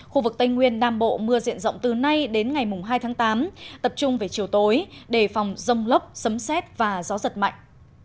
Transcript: khu vực tây nguyên nam bộ mưa diện rộng từ nay đến ngày hai tháng tám tập trung về chiều tối đề phòng rông lốc sấm xét và gió giật mạnh